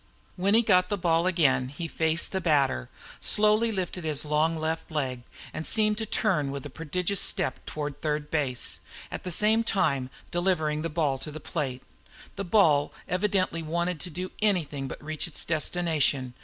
When he got the ball again he faced the batter, slowly lifted his long left leg, and seemed to turn with a prodigious step toward third base, at the same instant delivering the ball to the plate. The ball evidently wanted to do anything but reach its destination.